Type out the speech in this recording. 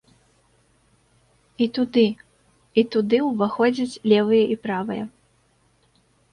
І туды, і туды ўваходзяць левыя і правыя.